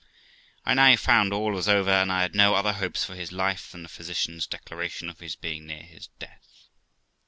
I now found all was over, and I had no other hopes of his life than the physicians' declaration of his being near his death.